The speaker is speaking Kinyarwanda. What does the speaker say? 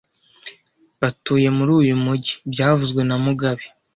Batuye muri uyu mujyi byavuzwe na mugabe